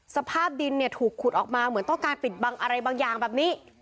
สภาพดินเนี่ยถูกขุดออกมาเหมือนต้องการปิดบังอะไรบางอย่างแบบนี้